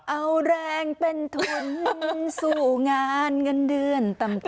เอาแรงเป็นทุนสู้งานเงินเดือนต่ำ